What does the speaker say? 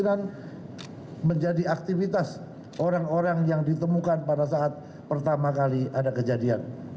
ini adalah satu dari beberapa hal yang akan menjadi aktivitas orang orang yang ditemukan pada saat pertama kali ada kejadian